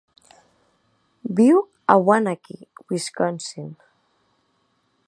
Viu a Waunakee, Wisconsin.